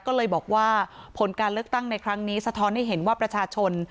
ก็เลยบอกว่าผลการเลือกตั้งในครั้งนี้สะท้อนให้เห็นว่าประชาชน